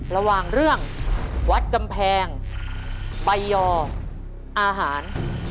ระหว่างเรื่องวัดกำแพงใบยออาหาร